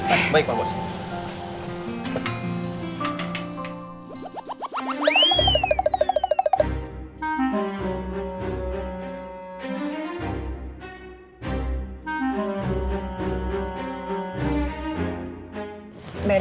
eh baik pak bos